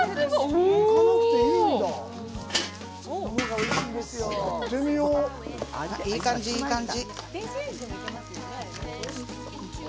おぉいい感じいい感じ